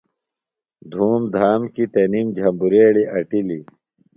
دُھوم دھام کی تنِم جھبریڑیۡ اٹِلیۡ۔